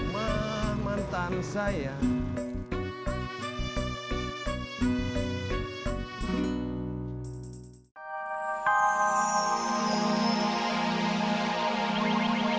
men arkemen tan saya